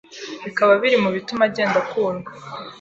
bikaba biri mu bituma agenda akundwa